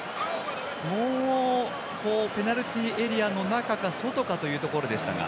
ペナルティーエリアの中か外かというところでしたが。